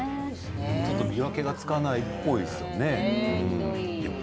ちょっと見分けがつかないっぽいですね。